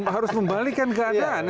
harus membalikkan keadaan